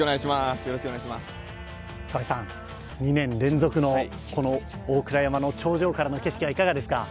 河合さん、２年連続の、この大倉山の頂上からの景色はいかがですか。